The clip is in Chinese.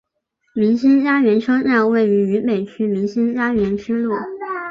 民心佳园车站位于渝北区民心佳园支路。